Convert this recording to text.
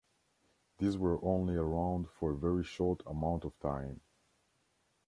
These were only around for a very short amount of time.